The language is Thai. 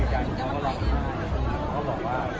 เดี๋ยวเนี่ยมันก็ยิ่งก็ดีครับ